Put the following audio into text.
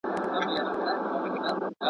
زه به مېوې راټولې کړي وي؟